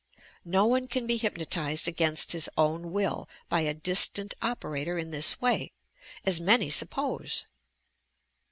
No one can be hypnotized against his own will by a distant operator in this way, as many suppose.